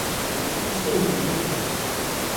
أسكن في تركيا.